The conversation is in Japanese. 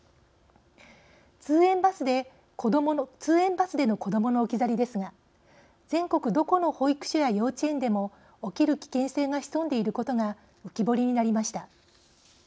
通園バスでの子どもの置き去りですが全国どこの保育所や幼稚園でも起きる危険性が潜んでいることが浮き彫りになりました。